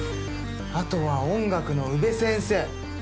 あとは音楽の宇部先生。